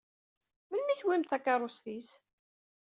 Melmi i tewwimt takeṛṛust-is?